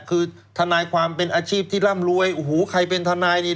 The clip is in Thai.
คือทนายความเป็นอาชีพที่ร่ำรวยโอ้โหใครเป็นทนายนี่